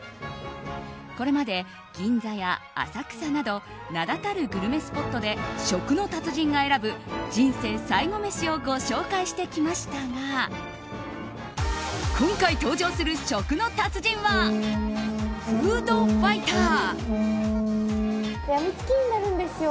これまで銀座や浅草など名だたるグルメスポットで食の達人が選ぶ人生最後メシをご紹介してきましたが今回登場する食の達人はフードファイター。